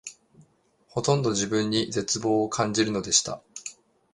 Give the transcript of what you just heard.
ほとんど自分に絶望を感じるのでした